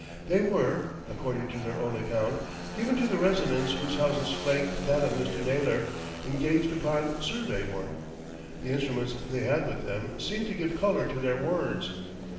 They were, according to their own account, given to the residents whose houses flanked that of Mr. Naylor, engaged upon survey work. The instruments they had with them seemed to give colour to their words.